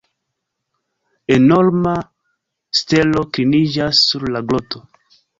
Enorma stelo kliniĝas sur la groto.